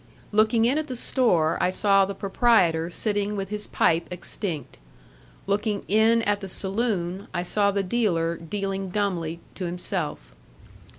Looking in at the store, I saw the proprietor sitting with his pipe extinct. Looking in at the saloon, I saw the dealer dealing dumbly to himself.